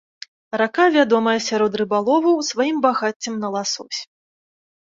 Рака вядомая сярод рыбаловаў сваім багаццем на ласось.